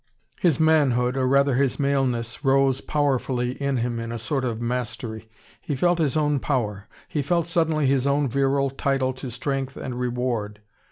His manhood, or rather his maleness, rose powerfully in him, in a sort of mastery. He felt his own power, he felt suddenly his own virile title to strength and reward.